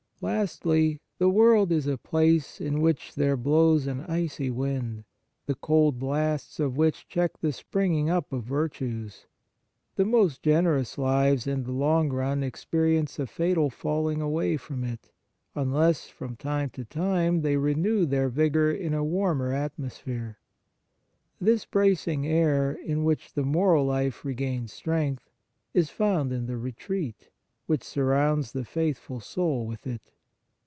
Lastly, the world is a place in which there blows an icy wind, the cold blasts of which check the spring ing up of virtues ; the most generous lives in the long run experience a fatal falling away in it, unless, from time to time, they renew their vigour in a warmer atmosphere. This bracing air, in which the moral life regains strength, is found in the retreat, which surrounds the faithful soul with it.